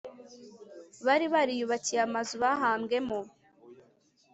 bari bariyubakiye amazu bahambwemo